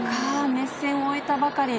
熱戦を終えたばかり。